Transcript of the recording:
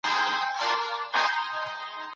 موږ ترازو نه کاروو.